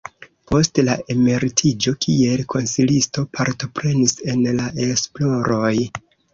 Post la emeritiĝo kiel konsilisto partoprenis en la esploroj.